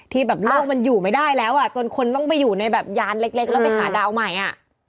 ที่แบบโลกมันอยู่ไม่ได้แล้วอ่ะจนคนต้องไปอยู่ในแบบยานเล็กแล้วไปหาดาวใหม่อ่ะ